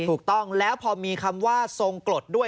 ถูกต้องแล้วพอมีคำว่าทรงกรดด้วย